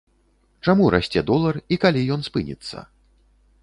Чаму расце долар і калі ён спыніцца?